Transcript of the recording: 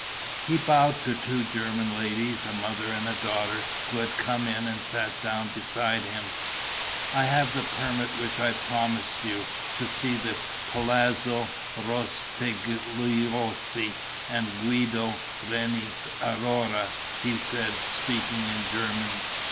He bowed to two German ladies, a mother and daughter, who had come in and sat down beside him: "I have the permit which I promised you, to see the Palazzo Rospigliosi and Guido Reni's Aurora" he said, speaking in German.